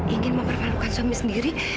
ingin mempermalukan suami sendiri